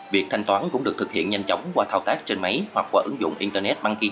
việc thanh toán cũng được thực hiện nhanh chóng qua thao tác trên máy hoặc qua ứng dụng internet băngy